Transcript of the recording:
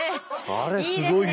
あれすごいよ。